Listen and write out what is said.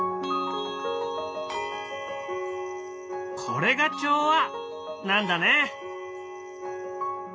これが調和なんだね！